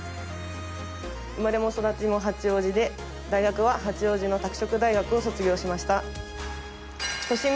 生まれも育ちも八王子で大学は八王子の拓殖大学を卒業しました。